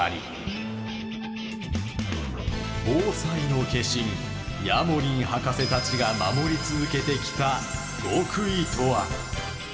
ＢＯＳＡＩの化身ヤモリン博士たちが守り続けてきた極意とは。